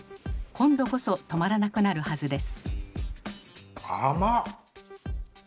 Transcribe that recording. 今度こそ止まらなくなるはずです。